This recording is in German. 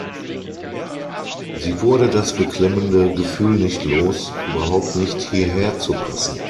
Sie wurde das beklemmende Gefühl nicht los, überhaupt nicht hierher zu passen.